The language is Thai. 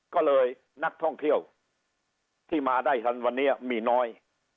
ก็เลยนักท่องเที่ยวที่มาได้ทันวันนี้มีน้อย